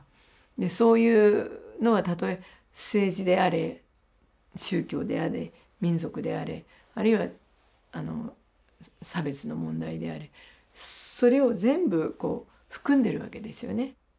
そういうのはたとえ政治であれ宗教であれ民族であれあるいは差別の問題であれそれを全部含んでるわけですよね。